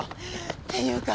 っていうか